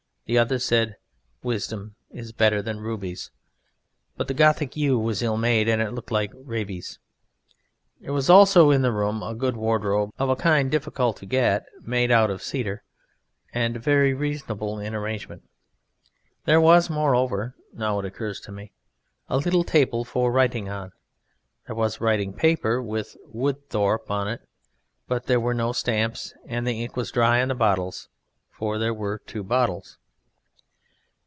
The other said: "Wisdom is better than Rubies." But the gothic "u" was ill made and it looked like "Rabies." There was also in the room a good wardrobe of a kind now difficult to get, made out of cedar and very reasonable in arrangement. There was, moreover (now it occurs to me), a little table for writing on; there was writing paper with "Wood Thorpe" on it, but there were no stamps, and the ink was dry in the bottles (for there were two bottles).